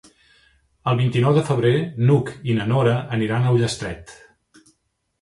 El vint-i-nou de febrer n'Hug i na Nora aniran a Ullastret.